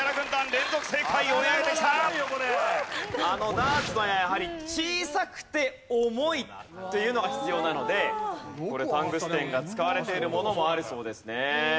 ダーツの矢はやはり小さくて重いというのが必要なのでこれタングステンが使われているものもあるそうですね。